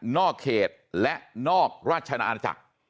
เขตและนอกราชนาจักร